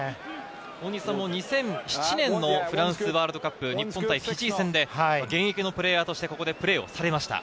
大西さんも２００７年のフランスワールドカップ、日本対フィジー戦で現役のプレーヤーとして、ここでプレーをされました。